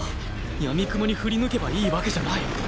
やみくもに振り抜けばいいわけじゃない